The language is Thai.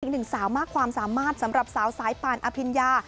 อีกหนึ่งสาวมากความสามารถสำหรับสาวสายป่านอภิญญา